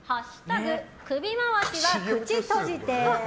首回しは口閉じて」。